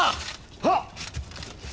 はっ！